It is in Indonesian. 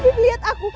afif lihat aku